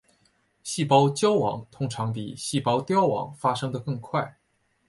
细胞焦亡通常比细胞凋亡发生的更快。